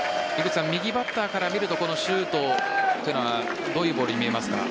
右バッターから見るとこのシュートというのはどういうボールに見えますか？